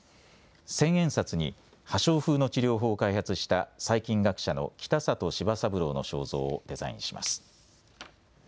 千円札に破傷風の治療法を開発した細菌学者の北里柴三郎の肖像をデザインします。